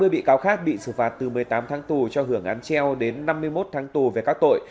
năm mươi bị cáo khác bị xử phạt từ một mươi tám tháng tù cho hưởng án treo đến năm mươi một tháng tù về các tội